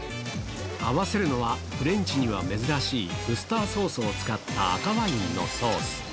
合わせるのはフレンチには珍しいウスターソースを使った赤ワインのソース。